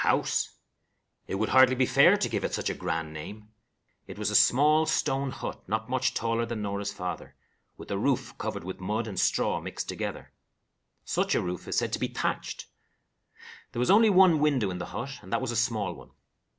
House! It would hardly be fair to give it such a grand name. It was a small stone hut, not much taller than Norah's father, with a roof covered with mud and straw mixed together. Such a roof is said to be thatched. There was only one window in the hut, and that was a small one.